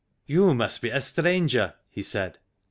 "You must be a stranger," he said.